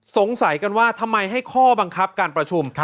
สงสัยกันว่าทำไมให้ข้อบังคับการประชุม